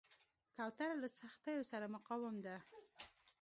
کوتره له سختیو سره مقاوم ده.